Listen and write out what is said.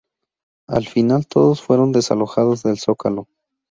Al final todos fueron desalojados del Zócalo.